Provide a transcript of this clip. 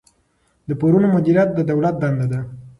د پورونو مدیریت د دولت دنده ده.